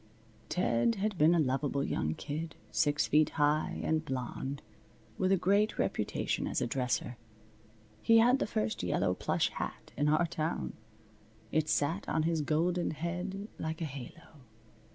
Ted had been a lovable young kid, six feet high, and blonde, with a great reputation as a dresser. He had the first yellow plush hat in our town. It sat on his golden head like a halo.